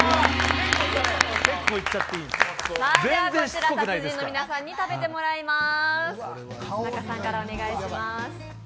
こちら達人の皆さんに食べてもらいます。